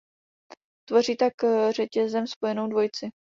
Vytvoří tak řetězem spojenou dvojici.